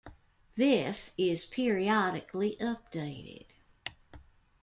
This is periodically updated.